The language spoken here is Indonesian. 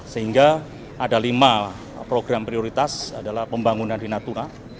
sehingga ada lima program prioritas adalah pembangunan di natuna